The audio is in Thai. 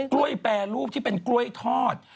กล้วยแปรรูปที่เป็นกล้วยทอด